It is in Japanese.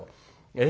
え？